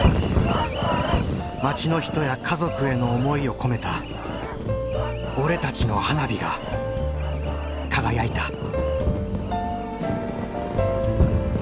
町の人や家族への思いを込めた俺たちの花火が輝いた。